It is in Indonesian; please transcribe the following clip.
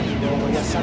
jangan apa apa ya tuhan